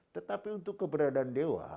tetapi untuk keberadaan dewa